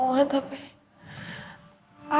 aku yang ngejalaninnya berat